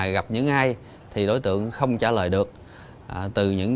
lấy gì thìrant dụng